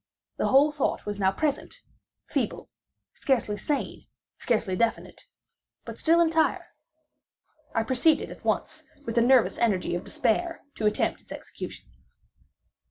The whole thought was now present—feeble, scarcely sane, scarcely definite,—but still entire. I proceeded at once, with the nervous energy of despair, to attempt its execution.